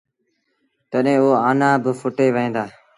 تڏهيݩ او آنآ با ڦُٽي وهيݩ دآ۔